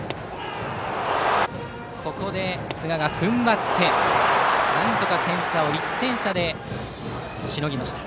ここで寿賀が踏ん張ってなんとか点差を１点差でしのぎました。